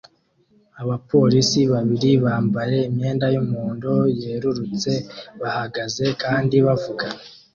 Abapolisi babiri bambaye imyenda yumuhondo yerurutse bahagaze kandi bavugana